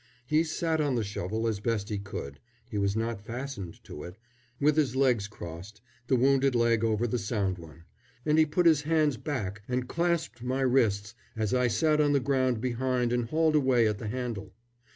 He sat on the shovel as best he could he was not fastened to it with his legs crossed, the wounded leg over the sound one, and he put his hands back and clasped my wrists as I sat on the ground behind and hauled away at the handle.